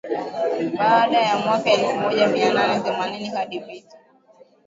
Baada ya mwaka elfumoja mianane themanini hadi Vita